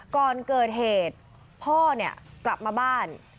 ก่อนเกิดเหตุพ่อเนี่ยกลับมาบ้าน